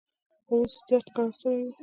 خو اوس يې درد کرار سوى و.